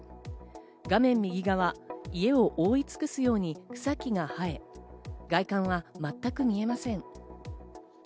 画面右側、家を覆い尽くすように草木が生え、外観は全く見えません。